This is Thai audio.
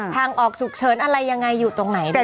ทางออกสุขเชิญอะไรอย่างไงอยู่ตรงไหน